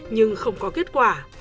nhưng không có kết quả